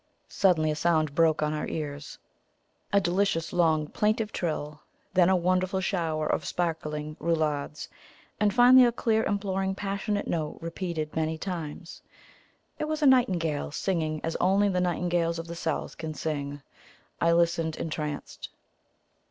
Suddenly a sound broke on our ears a delicious, long, plaintive trill; then a wonderful shower of sparkling roulades; and finally, a clear, imploring, passionate note repeated many times. It was a nightingale, singing as only the nightingales of the South can sing. I listened entranced.